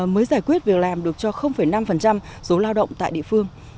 mới giải quyết việc làm được cho năm số lao động tại địa phương